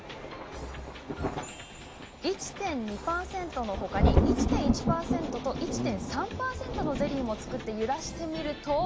１．２％のほかに１．１％と、１．３％のゼリーも作って揺らしてみると。